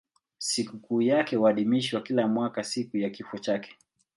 Sikukuu yake huadhimishwa kila mwaka siku ya kifo chake.